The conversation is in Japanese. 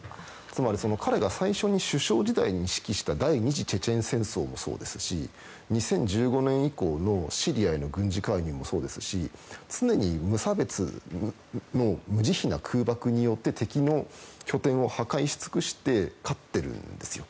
つまり、彼が最初に首相時代に指揮した第２次チェチェン戦争もそうですし２０１５年以降のシリアへの軍事介入もそうですし常に無差別の無慈悲な空爆によって敵の拠点を破壊しつくして勝ってるんですよ。